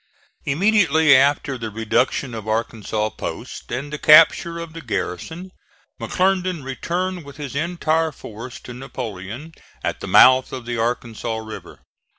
Immediately after the reduction of Arkansas Post and the capture of the garrison, McClernand returned with his entire force to Napoleon, at the mouth of the Arkansas River.